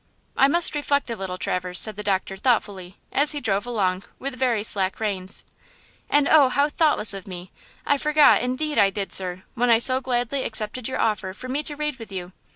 "I must reflect a little, Traverse," said the doctor, thoughtfully, as he drove along with very slack reins. "And, oh, how thoughtless of me! I forgot–indeed, I did, sir–when I so gladly accepted your offer for me to read with you.